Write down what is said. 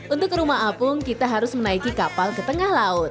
untuk ke rumah apung kita harus menaiki kapal ke tengah laut